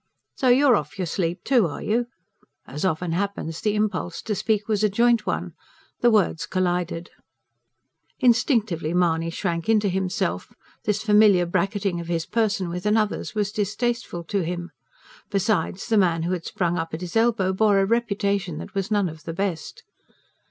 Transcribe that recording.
"So you're off your sleep, too, are you?" As often happens, the impulse to speak was a joint one. The words collided. Instinctively Mahony shrank into himself; this familiar bracketing of his person with another's was distasteful to him. Besides, the man who had sprung up at his elbow bore a reputation that was none of the best.